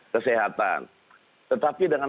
kesehatan tetapi dengan